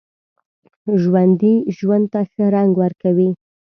ژوندي ژوند ته ښه رنګ ورکوي